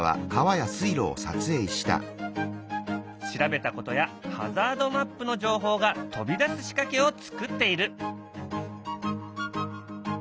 調べたことやハザードマップの情報が飛び出す仕掛けを作っている。